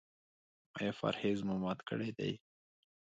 ایا پرهیز مو مات کړی دی؟